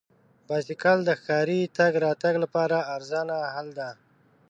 بایسکل د ښاري تګ راتګ لپاره ارزانه حل دی.